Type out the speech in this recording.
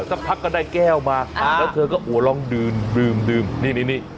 สักพักก็ได้แก้วมาอ่าแล้วเธอก็โหลองดื่มดื่มดื่มนี่นี่นี่